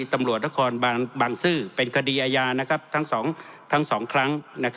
ตำรวจนครบังซื้อเป็นคดีอาญาทั้ง๒ครั้ง